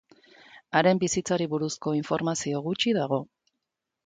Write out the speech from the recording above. Haren bizitzari buruzko informazio gutxi dago.